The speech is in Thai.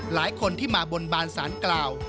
หลายคนที่มาบนบานสารกล่าว